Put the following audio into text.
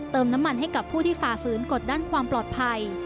น้ำมันให้กับผู้ที่ฝ่าฝืนกดด้านความปลอดภัย